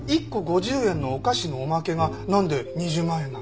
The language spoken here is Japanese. １個５０円のお菓子のおまけがなんで２０万円なんですか？